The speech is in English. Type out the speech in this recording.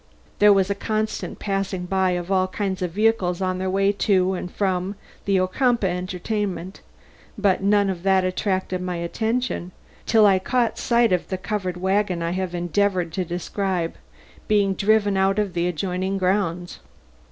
"There was a constant passing by of all kinds of vehicles on their way to and from the Ocumpaugh entertainment, but none that attracted my attention till I caught sight of the covered wagon I have endeavored to describe, being driven out of the adjoining grounds.